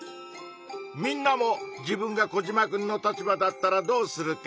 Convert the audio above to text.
みんなも自分がコジマくんの立場だったらどうするか。